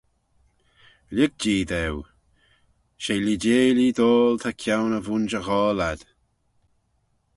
Lhig-jee daue: she leeideilee doal ta kione y vooinjer ghoal ad.